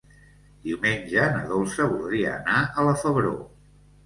Diumenge na Dolça voldria anar a la Febró.